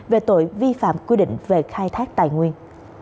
về tội vi phạm quy định về khai thác tài nguyên